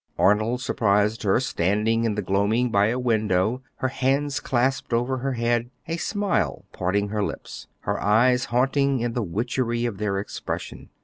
Arnold surprised her standing in the gloaming by a window, her hands clasped over her head, a smile parting her lips, her eyes haunting in the witchery of their expression.